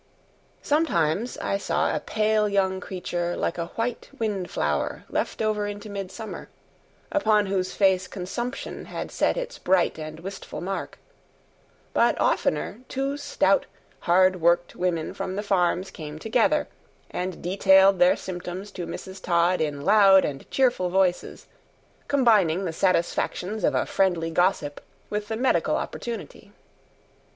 Sometimes I saw a pale young creature like a white windflower left over into midsummer, upon whose face consumption had set its bright and wistful mark; but oftener two stout, hard worked women from the farms came together, and detailed their symptoms to Mrs. Todd in loud and cheerful voices, combining the satisfactions of a friendly gossip with the medical opportunity.